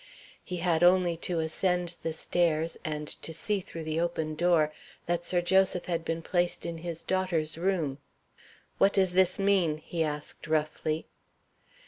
He had only to ascend the stairs, and to see, through the open door, that Sir Joseph had been placed in his daughter's room. "What does this mean?" he asked, roughly.